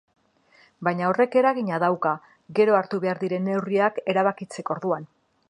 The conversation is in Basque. Baina horrek eragina dauka gero hartu behar diren neurriak erabakitzeko orduan.